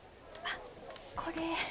あっこれ。